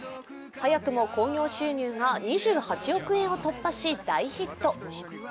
早くも興行収入が２８億円を突破し大ヒット。